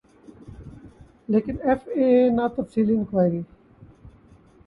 لیکن F A A نے تفصیلی انکوائری